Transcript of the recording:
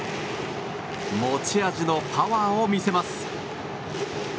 持ち味のパワーを見せます。